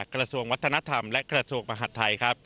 กระทรวงวัฒนธรรมและกระทรวงมหัฒน์ไทย